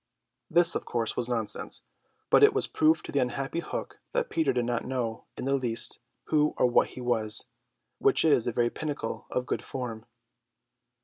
This, of course, was nonsense; but it was proof to the unhappy Hook that Peter did not know in the least who or what he was, which is the very pinnacle of good form.